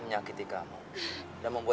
derangkan dia maupun berbisa